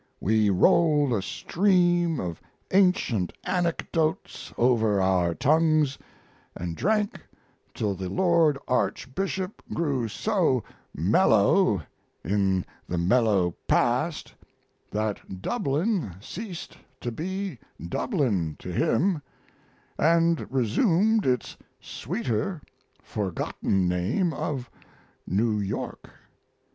We rolled a stream of ancient anecdotes over our tongues and drank till the Lord Archbishop grew so mellow in the mellow past that Dublin ceased to be Dublin to him, and resumed its sweeter, forgotten name of New York.